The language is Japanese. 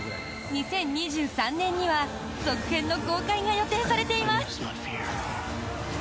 ２０２３年には続編の公開が予定されています。